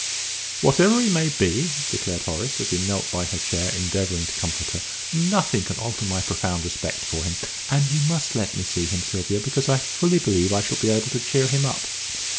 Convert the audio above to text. "Whatever he may be," declared Horace, as he knelt by her chair endeavouring to comfort her, "nothing can alter my profound respect for him. And you must let me see him, Sylvia; because I fully believe I shall be able to cheer him up."